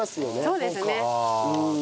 そうですねはい。